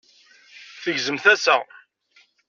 tgezzem tasa.